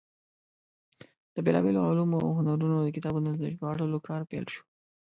د بېلابېلو علومو او هنرونو د کتابونو د ژباړلو کار پیل شو.